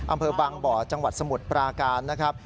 อำเภอบางบ่อจังหวัดสมุทรปราการนะครับ